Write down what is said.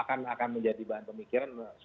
akan menjadi bahan pemikiran